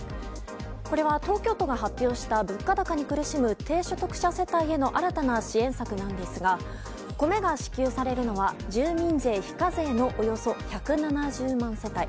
これは東京都が発表した物価高に苦しむ低所得者世帯への新たな支援策なんですが米が支給されるのは住民税非課税のおよそ１７０万世帯。